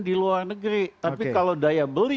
di luar negeri tapi kalau daya beli